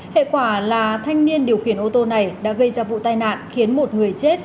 hệ quả là thanh niên điều khiển ô tô này đã gây ra vụ tai nạn khiến một người chết